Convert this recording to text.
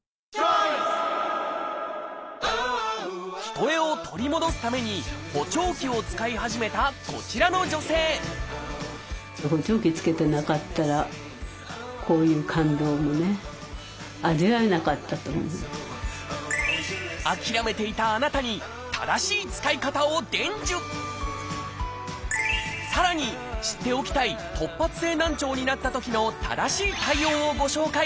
聞こえを取り戻すために補聴器を使い始めたこちらの女性諦めていたあなたに正しい使い方を伝授さらに知っておきたい突発性難聴になったときの正しい対応をご紹介！